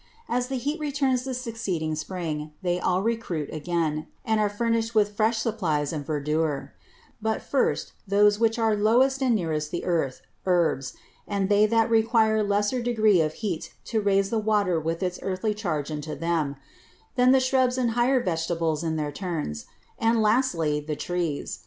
As the Heat returns the succeeding Spring, they all recruit again; and are furnish'd with fresh Supplies and Verdure: But first, those which are lowest and nearest the Earth, Herbs, and they that require a lesser degree of Heat to raise the Water with its Earthy Charge into them: Then the Shrubs and higher Vegetables in their Turns; and lastly, the Trees.